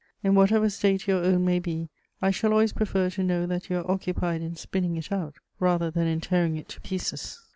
In whatever state your own may be, I shall always prefer to know that you are occupied in spinning it out rather than in tearing it to pieces."